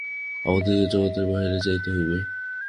আমাদিগকে জগতের বাহিরে যাইতে হইবে।